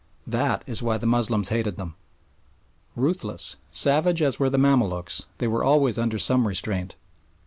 That is why the Moslems hated them. Ruthless, savage as were the Mamaluks, they were always under some restraint.